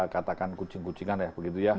katakan kucing kucingan ya begitu ya